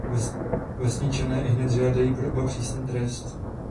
Vesničané ihned žádají pro oba přísný trest.